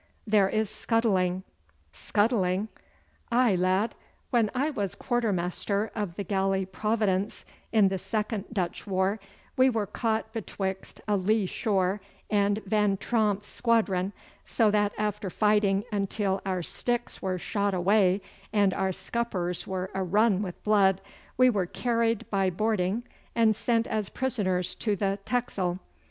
'There is scuttling.' 'Scuttling?' 'Aye, lad! When I was quartermaster of the galley Providence in the second Dutch war, we were caught betwixt a lee shore and Van Tromp's squadron, so that after fighting until our sticks were shot away and our scuppers were arun with blood, we were carried by boarding and sent as prisoners to the Texel.